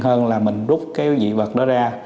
hơn là mình rút cái vị vật đó ra